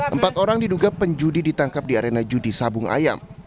empat orang diduga penjudi ditangkap di arena judi sabung ayam